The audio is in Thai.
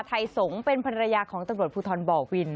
ไทยสงฆ์เป็นภรรยาของตำรวจภูทรบ่อวิน